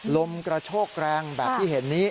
ลมกระโชกแรงแบบที่เห็นนี้